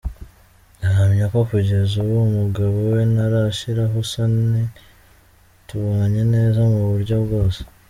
Ahamya ko kugeza ubu umugabo we ‘ntarashiraho isoni, tubanye neza mu buryo bwose.